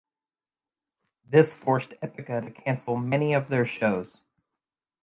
This forced Epica to cancel many of their shows.